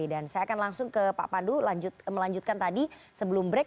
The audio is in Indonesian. dan saya akan langsung ke pak pandu melanjutkan tadi sebelum break